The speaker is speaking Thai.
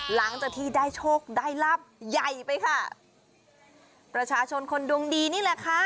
หลังจากที่ได้โชคได้ลาบใหญ่ไปค่ะประชาชนคนดวงดีนี่แหละค่ะ